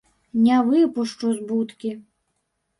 Не выпушчу з будкі.